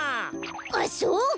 あっそうか！